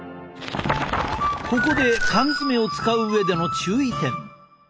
ここで缶詰を使う上での注意点。